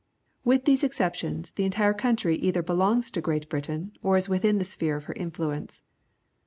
With these exceptions, the entire country either belongs to Great Britain or is within the sphere of her influence.